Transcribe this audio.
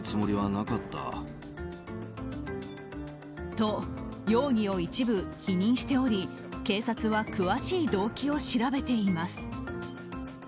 と、容疑を一部否認しており警察は詳しい動機を調べています。